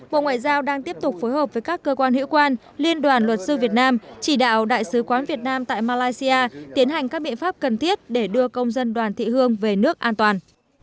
bộ ngoại giao đang tiếp tục phối hợp với các cơ quan hữu quan liên đoàn luật sư việt nam chỉ đạo đại sứ quán việt nam tại malaysia tiến hành các biện pháp cần thiết để đưa công dân đoàn thị hương về nước an toàn